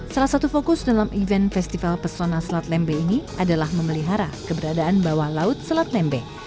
salah satu fokus dalam event festival pesona selat lembe ini adalah memelihara keberadaan bawah laut selat lembe